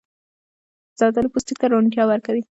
زردالو پوستکي ته روڼتیا ورکوي.